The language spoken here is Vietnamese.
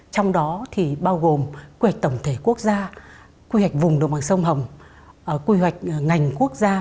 trong đó thì bao gồm quy hoạch tổng thể quốc gia quy hoạch vùng đồng bằng sông hồng quy hoạch ngành quốc gia